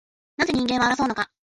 なぜ人間は争うのか